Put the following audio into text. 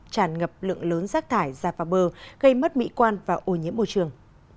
tràn ngập lượng lớn rác thải ra vào bờ gây mất mỹ quan và ô nhiễm môi trường